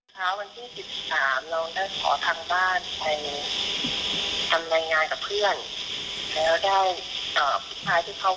เพราะว่าเขาจะพาไปซื้อของที่บิ๊กซีเอง